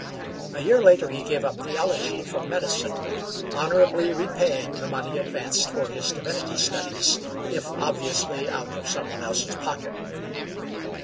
A year later he gave up theology for medicine honorably repaying the money advanced for his divinity studies, if obviously out of some one's else pocket.